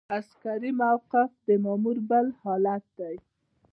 عسکري موقف د مامور بل حالت دی.